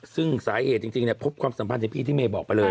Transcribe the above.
ซึ่งสาเหตุจริงพบความสัมพันธ์อย่างพี่ที่เมย์บอกไปเลย